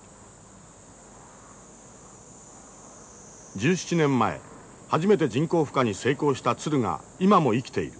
１７年前初めて人工孵化に成功した鶴が今も生きている。